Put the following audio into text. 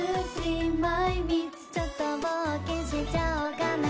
ちょっと冒険しちゃおかな